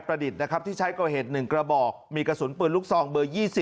ดิษฐ์นะครับที่ใช้ก่อเหตุ๑กระบอกมีกระสุนปืนลูกซองเบอร์๒๐